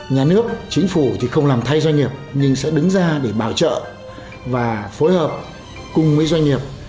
nhà nước chính phủ thì không làm thay doanh nghiệp nhưng sẽ đứng ra để bảo trợ và phối hợp cùng với doanh nghiệp